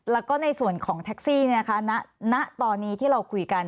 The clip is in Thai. แล้วก็ในส่วนของแท็กซี่ณตอนนี้ที่เราคุยกัน